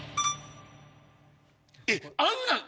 えっ⁉あんなん。